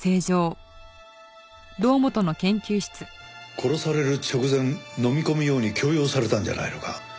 殺される直前飲み込むように強要されたんじゃないのか？